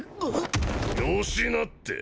よしなって。